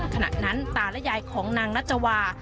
ขณะนั้นตาและยายของนางนัชวา